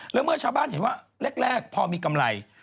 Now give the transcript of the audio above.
แล้วเมื่อชาวบ้านเห็นว่าแรกพอมีกำไร